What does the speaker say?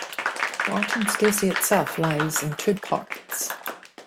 Barton Stacey itself lies in two parts.